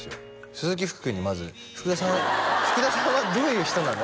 鈴木福君にまず「福田さんはどういう人なの？」